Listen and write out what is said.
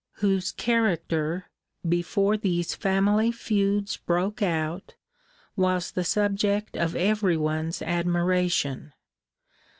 whose character, before these family feuds broke out, was the subject of everyone's admiration.